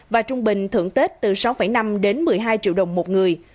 và trung bình thưởng tết từ sáu năm đến một mươi hai triệu đồng một người